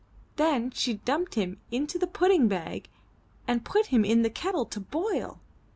Then she dumped him into the pudding bag and put him in the kettle to boil.